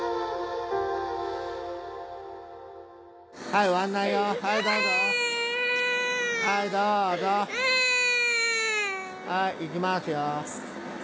はい行きますよ。